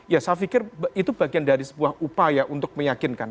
ya saya pikir itu bagian dari sebuah upaya untuk meyakinkan